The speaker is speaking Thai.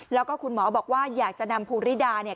แล้วก็คุณหมอบอกว่าอยากจะนำภูริดาเนี่ย